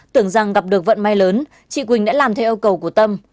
tưởng rằng gặp được vận may lớn chị quỳnh đã làm theo yêu cầu của tâm